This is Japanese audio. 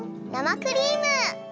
生クリーム！